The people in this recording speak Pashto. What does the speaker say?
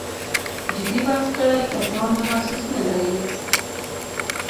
جدي بحث کړی کسان تخصص نه لري.